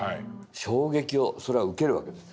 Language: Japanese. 衝撃をそれは受けるわけです。